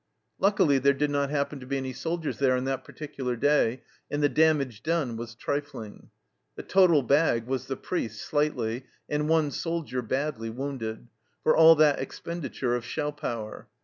Luckily there did not happen to be any soldiers there on that particular day, and the damage done was trifling. The total bag was the priest slightly, and one soldier badly, wounded, for all that expenditure of shell power.